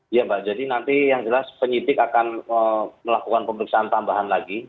iya mbak jadi nanti yang jelas penyidik akan melakukan pemeriksaan tambahan lagi